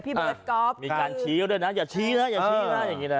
เบิร์ตก๊อฟมีการชี้ด้วยนะอย่าชี้นะอย่าชี้นะอย่างนี้นะ